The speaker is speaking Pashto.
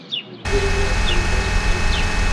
ملګري یې تندی ترېو کړ